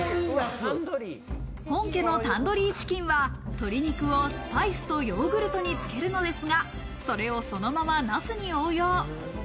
本家のタンドリーチキンは鶏肉をスパイスとヨーグルトに付けるのですが、それをそのままナスに応用。